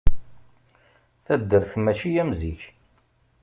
Taddart mačči am zik.